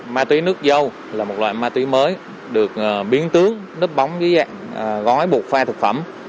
ma túy nước dâu là một loại ma túy mới được biến tướng nứt bóng với dạng gói bột pha thực phẩm